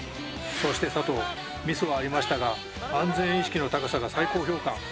そして佐藤、ミスはありましたが安全意識の高さが最高評価。